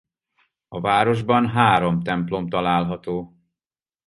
A városban három templom található.